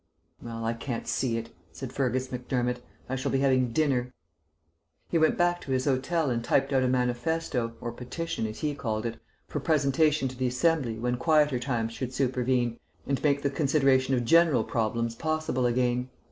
"Well, I can't see it," said Fergus Macdermott. "I shall be having dinner." He went back to his hotel and typed out a manifesto, or petition, as he called it, for presentation to the Assembly when quieter times should supervene and make the consideration of general problems possible again.